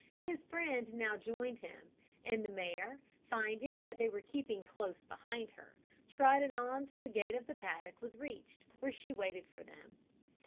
His friend now joined him, and the mare, finding that they were keeping close behind her, trotted on till the gate of the paddock was reached, where she waited for them.